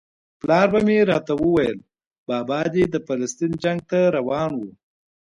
پلار به مې راته ویل بابا دې د فلسطین جنګ ته روان و.